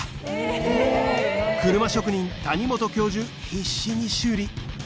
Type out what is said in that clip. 職人谷本教授必死に修理